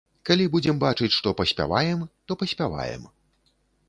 Калі будзем бачыць, што паспяваем, то паспяваем.